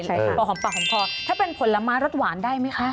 ใช่ค่ะปลอดชองปลักษณ์พอถ้าเป็นผลละมาแล้วรัดหวานได้ไหมคะ